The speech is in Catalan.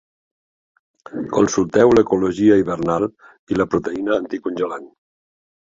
Consulteu l'ecologia hivernal i la proteïna anticongelant.